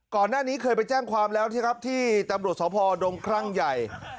ก่อนหน้านี้เคยไปแจ้งความแล้วนะครับที่ตำรวจสพดงครั่งใหญ่